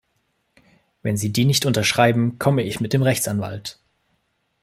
Wenn sie die nicht unterschreiben, komme ich mit dem Rechtsanwalt.